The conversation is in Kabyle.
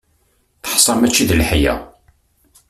Teḥsa mačči d leḥya.